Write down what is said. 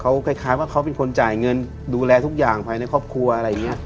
เขาคล้ายว่าเขาเป็นคนจ่ายเงินดูแลทุกอย่างภายในครอบครัวอะไรอย่างนี้